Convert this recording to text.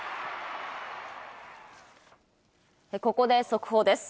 ここで速報です。